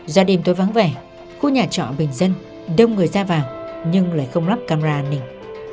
do đêm tối vắng vẻ khu nhà trọ bình dân đông người ra vào nhưng lại không lắp camera an ninh